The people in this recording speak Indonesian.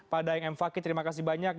pada yang m fakih terima kasih banyak